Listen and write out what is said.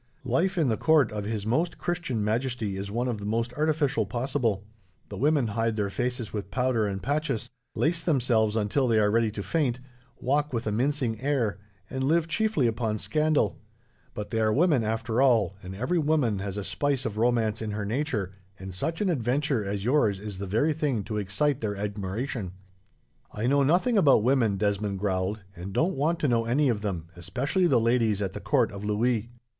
Life in the court of His Most Christian Majesty is one of the most artificial possible. The women hide their faces with powder and patches, lace themselves until they are ready to faint, walk with a mincing air, and live chiefly upon scandal; but they are women, after all, and every woman has a spice of romance in her nature, and such an adventure as yours is the very thing to excite their admiration." "I know nothing about women," Desmond growled, "and don't want to know any of them, especially the ladies at the court of Louis."